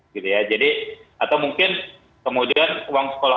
gitu ya jadi atau mungkin kemudian uang sekolah